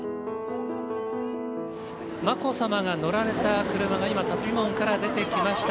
眞子さまが乗られた車が今、たつみ門から出てきました。